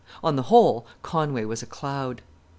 On the whole, Conway was a cloud.